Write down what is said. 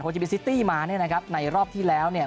จิบิซิตี้มาเนี่ยนะครับในรอบที่แล้วเนี่ย